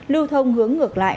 lưu thông hướng ngược lại